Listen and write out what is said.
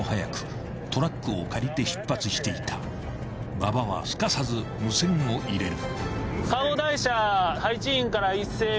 ［馬場はすかさず無線を入れる］